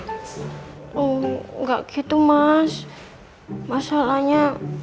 oh enggak gitu mas masalahnya